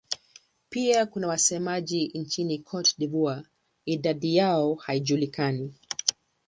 Pia kuna wasemaji nchini Cote d'Ivoire; idadi yao haijulikani.